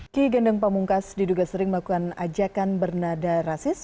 ki gendeng pamungkas diduga sering melakukan ajakan bernada rasis